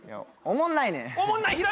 おもんない。